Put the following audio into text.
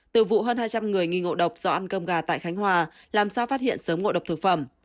từ vụ hơn hai trăm linh người nghi ngộ độc do ăn cơm gà tại khánh hòa làm sao phát hiện sớm ngộ độc thực phẩm